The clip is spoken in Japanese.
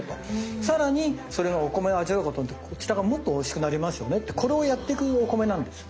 さらにそれがお米を味わうことによってこちらがもっとおいしくなりますよねってこれをやってくお米なんですね。